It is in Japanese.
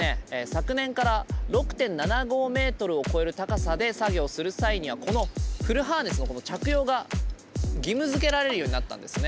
昨年から６．７５ｍを超える高さで作業をする際にはこのフルハーネスの着用が義務付けられるようになったんですね。